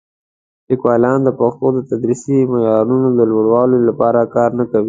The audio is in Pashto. لیکوالان د پښتو د تدریسي معیارونو د لوړولو لپاره کار نه کوي.